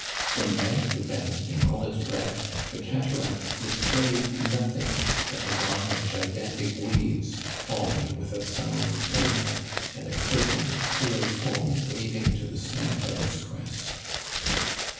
From bank to bank, in all its breadth, the cataract displayed nothing but a line of gigantic waves falling with a sound of thunder, and a curtain of pale foam waving to the summit of its crest.